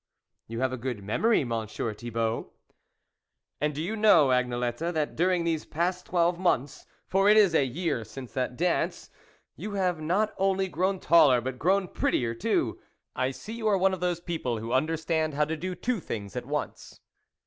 " You have a good memory, Monsieur Thibault !" "And do you know, Agnelette, that during these last twelve months, for it is a year since that dance, you have not only grown taller, but grown prettier too; I see you are one of those people who understand how to do two things at once."